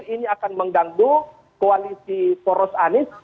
ini akan mengganggu koalisi poros anies